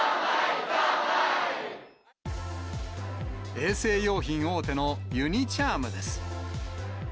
衛生用品大手のユニ・チャームです。